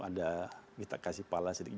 ada minta kasih pala sedikit